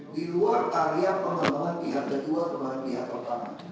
di luar area pembangunan pihak kedua pembangunan pihak pertama